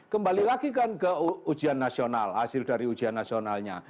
kembali lagi kan ke ujian nasional hasil dari ujian nasionalnya